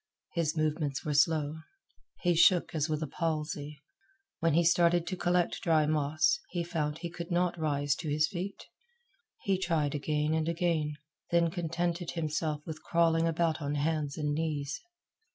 His movements were slow. He shook as with a palsy. When he started to collect dry moss, he found he could not rise to his feet. He tried again and again, then contented himself with crawling about on hands and knees.